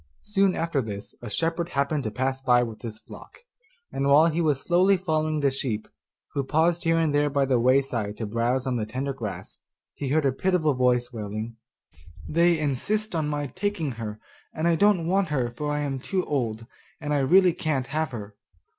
Soon after this a shepherd happened to pass by with his flock, and while he was slowly following the sheep, who paused here and there by the wayside to browse on the tender grass, he heard a pitiful voice wailing, 'They insist on my taking her, and I don't want her, for I am too old, and I really can't have her.